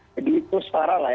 jadi itu separah lah ya